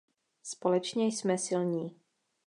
Společně jsme silní.